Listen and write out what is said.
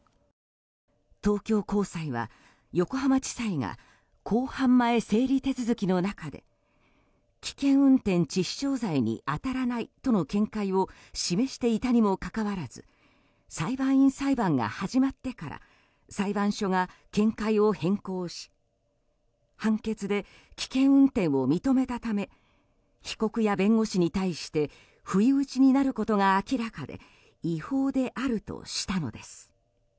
東京高裁は、横浜地裁が公判前整理手続きの中で危険運転致死傷罪に当たらないとの見解を示していたにもかかわらず裁判員裁判が始まってから裁判所が見解を変更し判決で危険運転を認めたため被告や弁護士に対して不意打ちになることが明らかで違法であるとしたのです。